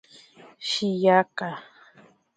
Shiyaka.